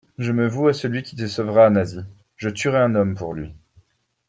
Je me voue à celui qui te sauvera, Nasie ! je tuerai un homme pour lui.